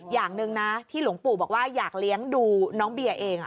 อย่างหนึ่งนะที่หลวงปู่บอกว่าอยากเลี้ยงดูน้องเบียเอง